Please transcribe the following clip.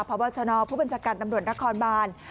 พบัชนอธ์ผู้บริษัทการตำรวจนักคอร์นบาล